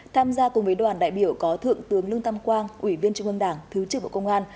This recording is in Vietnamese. tham gia cùng với đoàn đại biểu có thượng tướng lương tam quang ủy viên trung ương đảng thứ trưởng bộ công an